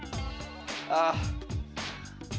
ああ。